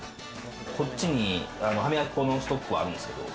こっちに歯磨き粉のストックがあるんですけど。